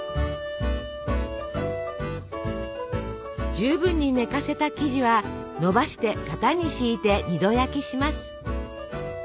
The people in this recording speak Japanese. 十分に寝かせた生地はのばして型に敷いて２度焼きします。